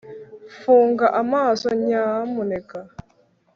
funga amaso, nyamuneka